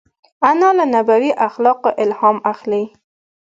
انا له نبوي اخلاقو الهام اخلي